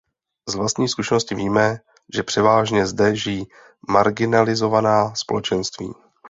Z vlastní zkušenosti víme, že převážně zde žijí marginalizovaná společenství.